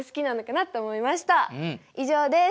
以上です。